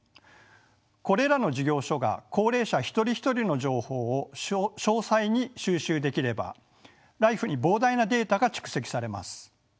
これらの事業所が高齢者一人一人の情報を詳細に収集できればＬＩＦＥに膨大なデータが蓄積されます。